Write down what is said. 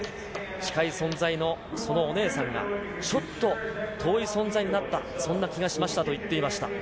近い存在のそのお姉さんが、ちょっと遠い存在になった、そんな気がしましたと言っていました。